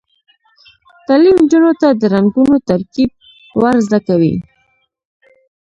تعلیم نجونو ته د رنګونو ترکیب ور زده کوي.